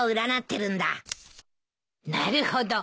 なるほど。